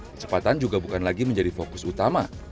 kecepatan juga bukan lagi menjadi fokus utama